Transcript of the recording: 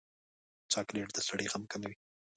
چاکلېټ د سړي غم کموي.